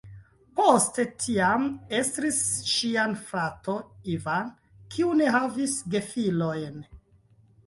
Poste tiam estris ŝia frato "Ivan", kiu ne havis gefilojn.